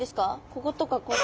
こことかここに。